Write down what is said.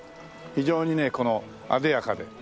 非常にねこの艶やかで。